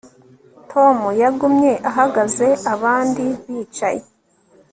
Tom yagumye ahagaze abandi bicaye